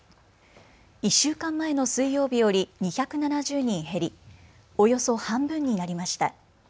１週間前の水曜日より２７０人減り、およそ半分になりました。